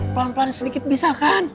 pelan pelan sedikit bisa kan